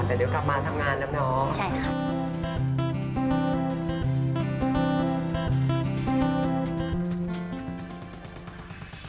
แต่เดี๋ยวกลับมาทำงานแล้วเนาะ